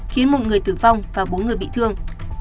khiến một người tử vong và bốn người bị thương